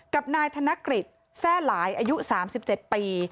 กับนายธนกฤษแทร่หลายอายุ๓๗ปี